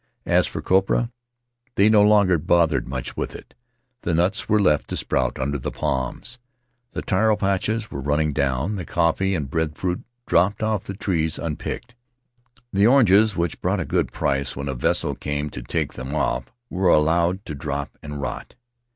As for copra, they no longer bothered much with it; the nuts were left to sprout under the palms. The taro patches were running down; the coffee and breadfruit dropped off the trees unpicked; the oranges, which brought a good price when a vessel came to take them off, were allowed to drop and rot.